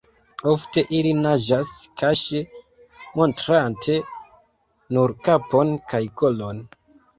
Ofte ili naĝas kaŝe montrante nur kapon kaj kolon.